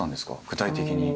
具体的に。